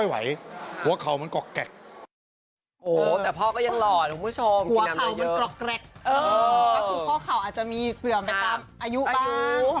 หัวข่าวอาจจะมีเสื่อมไปตามอายุบ้าง